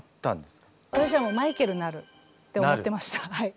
私はもうマイケルになるって思ってました。